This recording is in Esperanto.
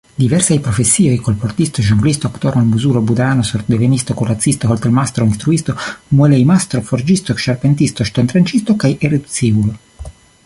Diversaj profesioj:kolportisto, ĵonglisto, aktoro, almuzulo, budaano, sortdivenisto, kuracisto, hotel-mastro, instruisto, muelej-mastro, forĝisto, ĉarpentisto, ŝtontranĉisto kaj erudiciulo.